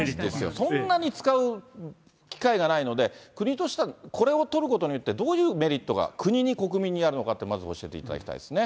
そんなに使う機会がないので、国としてはこれを取ることによって、どういうメリットが、国に、国民にあるのかって、まず教えていただきたいですね。